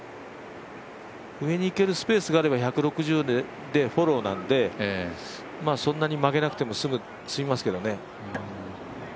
上に行けるスペースがあれば１６０でフォローなんでそんなに曲げなくても済みますけどね。